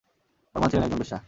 ওর মা ছিলেন একজন বেশ্যা!